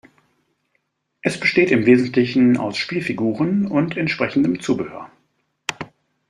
Es besteht im Wesentlichen aus Spielfiguren und entsprechendem Zubehör.